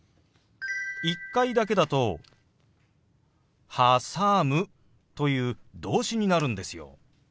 １回だけだと「はさむ」という動詞になるんですよ。